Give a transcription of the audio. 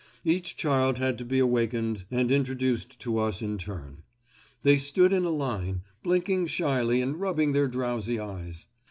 Each child had to be wakened and introduced to us in turn. They stood in a line, blinking shyly and rubbing their drowsy eyes.